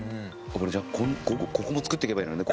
じゃあここも作っていけばいいのね。